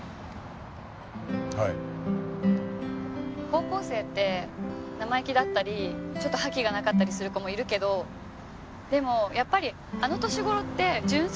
高校生って生意気だったりちょっと覇気がなかったりする子もいるけどでもやっぱりあの年頃って純粋なんですよね。